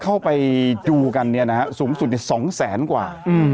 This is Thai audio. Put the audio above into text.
ค่อยไปดูกันสูงสุด๒แสนกว่า